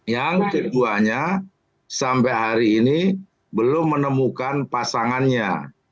yang keduanya sampai hari ini belum menemukan pasangannya